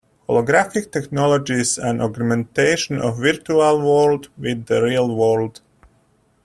Holographic technology is an augmentation of the virtual world with the real world.